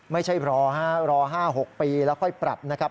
ไม่ใช่รอฮะรอ๕๖ปีแล้วค่อยปรับนะครับ